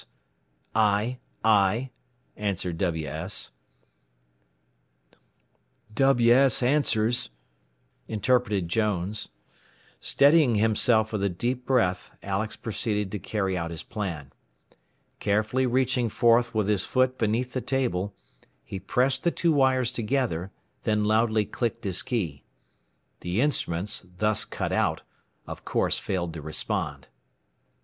"WS, WS " "I, I," answered WS. "WS answers," interpreted Jones. Steadying himself with a deep breath, Alex proceeded to carry out his plan. Carefully reaching forth with his foot beneath the table, he pressed the two wires together, then loudly clicked his key. The instruments, thus "cut out," of course failed to respond.